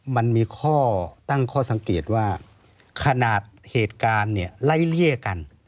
มันมีข้อตั้งข้อสังเกตว่าขนาดเหตุการณ์เนี่ยไล่เลี่ยกัน